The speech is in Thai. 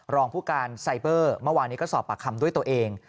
รองผู้การไซเบอร์เมื่อวานนี้ก็สอบปากคำด้วยตัวเอง